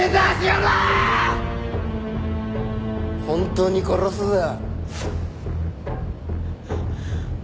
本当に殺すぞ。